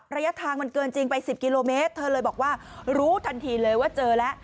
ระยะทางมันเกินจริงไป๑๐กิโลเมตรเธอเลยบอกว่ารู้ทันทีเลยว่าเจอแล้ว